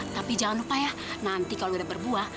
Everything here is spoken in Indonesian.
tapi jangan lupa ya nanti kalau udah berbuah